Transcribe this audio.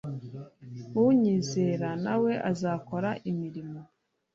yh unyizera na we azakora imirimo